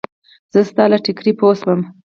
زه ستا له ټیکري پوی شوم.